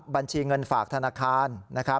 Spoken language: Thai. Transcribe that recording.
บัญชีเงินฝากธนาคาร